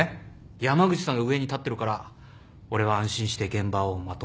山口さんが上に立ってるから俺は安心して現場をまとめられる。